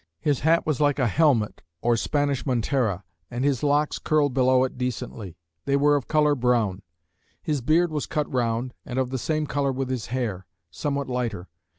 His hat was like a helmet, or Spanish montera; and his locks curled below it decently: they were of colour brown. His beard was cut round, and of the same colour with his hair, somewhat lighter.